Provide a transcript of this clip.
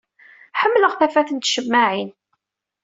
Ḥemmleɣ tafat n tcemmaɛin.